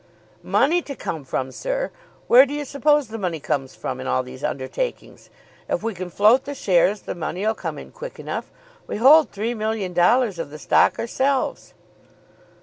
"Money to come from, sir? Where do you suppose the money comes from in all these undertakings? If we can float the shares, the money'll come in quick enough. We hold three million dollars of the stock ourselves."